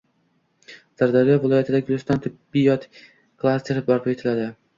Sirdaryo viloyatida – “Guliston tibbiyot klasteri” barpo etiladi